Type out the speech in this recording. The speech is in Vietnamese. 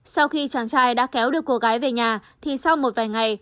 sau khi chàng trai đã kéo được cô gái về nhà thì sau một vài ngày